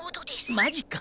マジか。